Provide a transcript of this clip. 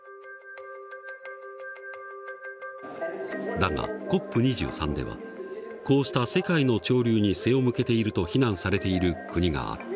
だがＣＯＰ２３ではこうした世界の潮流に背を向けていると非難されている国があった。